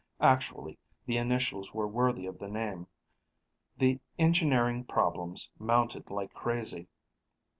Actually, the initials were worthy of the name. The engineering problems mounted like crazy.